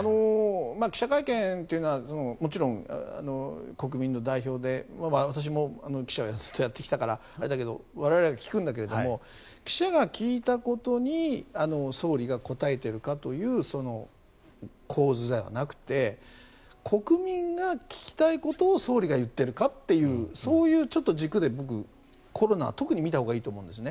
記者会見というのはもちろん、国民の代表で私も記者をずっとやってきたからあれだけど我々が聞くんだけど記者が聞いたことに総理が答えているかという構図ではなくて国民が聞きたいことを総理が言っているかというそういう軸でコロナは特に見たほうがいいと思うんですね。